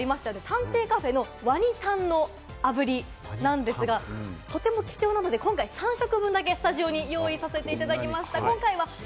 探偵カフェのワニタンの炙りなんですが、とても貴重なので、今回、３食分だけスタジオに用意させていただきました。